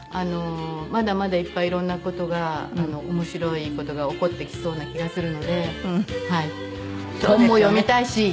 まだまだいっぱい色んな事が面白い事が起こってきそうな気がするので。